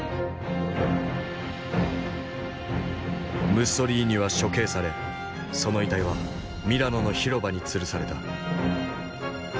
ムッソリーニは処刑されその遺体はミラノの広場につるされた。